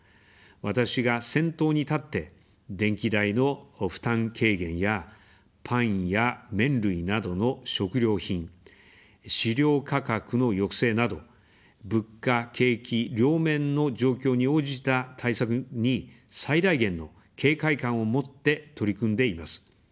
私が先頭に立って、電気代の負担軽減やパンや麺類などの食料品、飼料価格の抑制など、物価、景気両面の状況に応じた対策に最大限の警戒感を持って取り組んでいます。